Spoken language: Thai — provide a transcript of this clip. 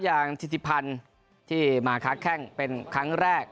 อย่างทิศิพันธ์ที่มาค้างแค่งเป็นครั้งแรก